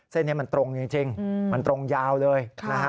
เส้นนี้มันตรงจริงมันตรงยาวเลยนะฮะ